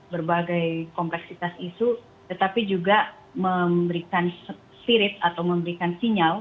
berbagai kompleksitas isu tetapi juga memberikan spirit atau memberikan sinyal